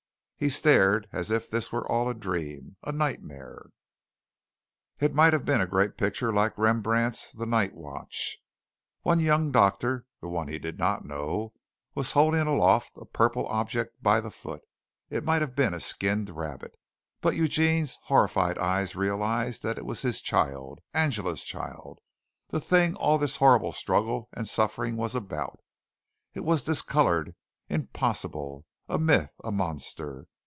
He stared as if this were all a dream a nightmare. It might have been a great picture like Rembrandt's "The Night Watch." One young doctor, the one he did not know, was holding aloft a purple object by the foot. It might have been a skinned rabbit, but Eugene's horrified eyes realized that it was his child Angela's child the thing all this horrible struggle and suffering was about. It was discolored, impossible, a myth, a monster.